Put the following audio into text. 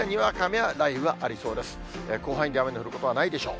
広範囲で雨が降ることはないでしょう。